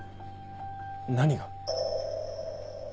何が？